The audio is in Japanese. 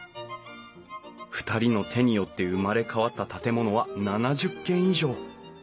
２人の手によって生まれ変わった建物は７０軒以上。